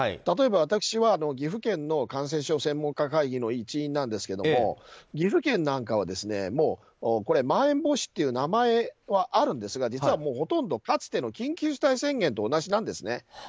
例えば、私は岐阜県の感染症専門家会議の一員なんですけど岐阜県なんかはまん延防止という名前はあるんですが実はほとんどかつての緊急事態宣言と同じなんですね。